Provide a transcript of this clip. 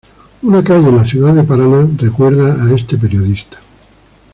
Una calle en la ciudad de Paraná recuerda a este periodista.